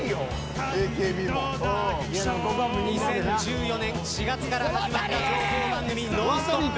２０１４年４月から始まった朝の番組「ノンストップ！」。